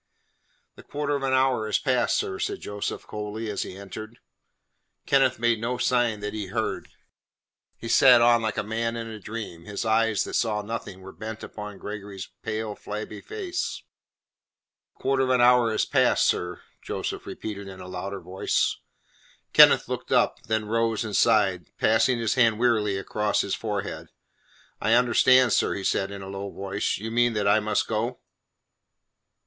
"The quarter of an hour is passed, sir," said Joseph coldly, as he entered. Kenneth made no sign that he heard. He sat on like a man in a dream. His eyes that saw nothing were bent upon Gregory's pale, flabby face. "The quarter of an hour is passed, sir," Joseph repeated in a louder voice. Kenneth looked up, then rose and sighed, passing his hand wearily across his forehead. "I understand, sir," he replied in a low voice. "You mean that I must go?"